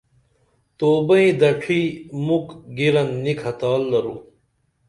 توبئیں دڇھی مُکھ گِرن نی کھتال درو